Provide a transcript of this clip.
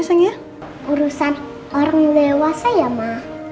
urusan orang dewasa ya ma